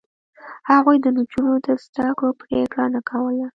هغوی د نجونو د زده کړو پرېکړه نه کوله.